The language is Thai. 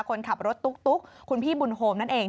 คนขับรถตุ๊กคุณพี่บุญโฮมนั่นเอง